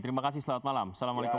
terima kasih selamat malam